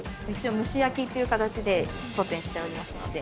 蒸し焼きという形で当店しておりますので。